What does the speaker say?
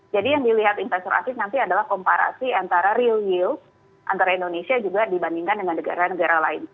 jadi yang dilihat investor asing nanti adalah komparasi antara real yield antara indonesia juga dibandingkan dengan negara negara lain